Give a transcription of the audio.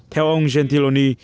theo ông gentiloni